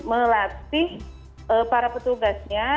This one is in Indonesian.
melatih para petugasnya